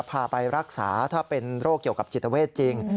พาไปรักษาถ้าเป็นโรคเกี่ยวกับจิตเวทจริง